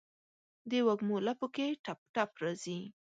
دوږمو لپو کې ټپ، ټپ راځي